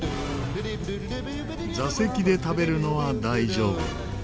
座席で食べるのは大丈夫。